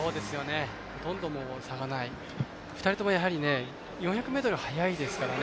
ほとんど差がない２人とも４００ｍ速いですからね。